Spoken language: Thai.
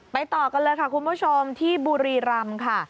ต่อกันเลยค่ะคุณผู้ชมที่บุรีรำค่ะ